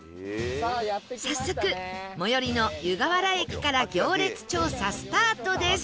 早速最寄りの湯河原駅から行列調査スタートです